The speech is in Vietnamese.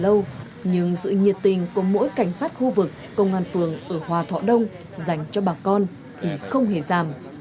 lâu nhưng sự nhiệt tình của mỗi cảnh sát khu vực công an phường ở hòa thọ đông dành cho bà con thì không hề giảm